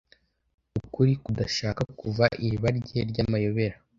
Ukuri kudashaka kuva iriba rye ryamayobera--